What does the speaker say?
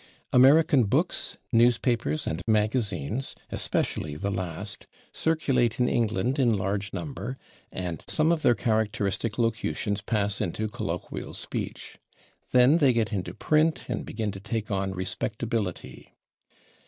American books, newspapers and magazines, especially the last, circulate in England in large number, and some of their characteristic locutions pass into colloquial speech. Then they get into print, and begin to take on respectability.